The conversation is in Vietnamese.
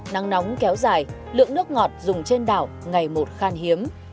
nắng nóng kéo dài lượng nước ngọt dùng trên đảo ngày một khan hiếm